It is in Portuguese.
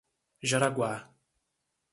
Jaraguá